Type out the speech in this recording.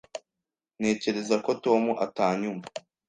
Ntekereza ko Tom atanyumva.